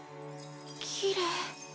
きれい。